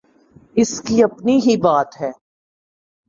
اس کی اپنی ہی بات ہے۔